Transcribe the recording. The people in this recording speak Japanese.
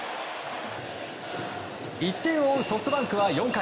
１点を追うソフトバンクは４回。